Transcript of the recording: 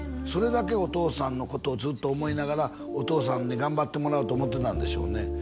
それだけお父さんのことをずっと思いながらお父さんに頑張ってもらおうと思ってたんでしょうね